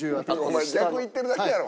お前逆いってるだけやろ！